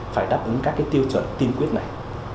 phải đáp ứng các cái tiêu chuẩn tiên quyết này